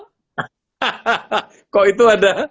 hahaha kok itu ada